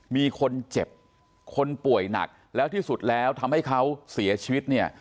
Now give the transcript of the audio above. มีคนเจ็บคนป่วยหนักแล้วที่สุดแล้วทำให้เขาเสียชีวิตเนี่ย